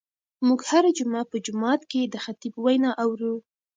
موږ هره جمعه په جومات کې د خطیب وینا اورو.